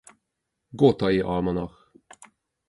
Gothai almanach